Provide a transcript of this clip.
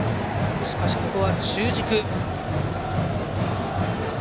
しかし、ここは中軸。